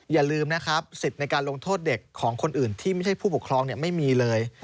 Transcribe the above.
อย่าลืมนะครับสิทธิ์ในการลงโทษเด็กของคนอื่นที่ไม่ใช่ผู้ปกครองไม่มีเลย